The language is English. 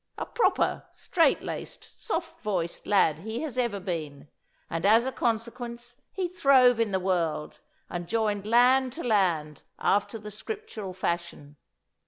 A proper, strait laced, soft voiced lad he has ever been, and, as a consequence, he throve in the world, and joined land to land after the scriptural fashion.